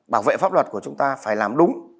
bảo vệ pháp luật của chúng ta phải làm đúng